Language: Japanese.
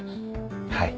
はい。